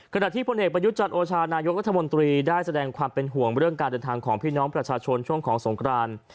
ขณะที่พลเอกประยุทธ์จันทร์โอชานายกรัฐมนตรีได้แสดงความเป็นห่วงเรื่องการเดินทางของพี่น้องประชาชนช่วงของสงคราน